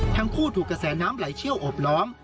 ทั้งคู่ถูกกระแสน้ำไหลเชี่ยวอบล้อม